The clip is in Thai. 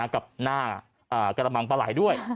กับหน้ากระมังปลาไหลด้วย